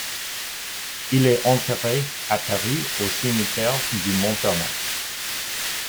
Il est enterré à Paris, au cimetière du Montparnasse.